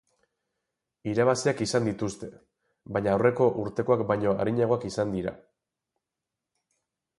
Irabaziak izan dituzte, baina aurreko urtekoak baino arinagoak izan dira.